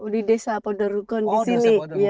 di desa podorukun di sini